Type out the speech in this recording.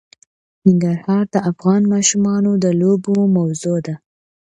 ننګرهار د افغان ماشومانو د لوبو موضوع ده.